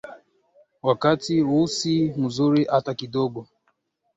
Wakati huu si mzuri ata kidogo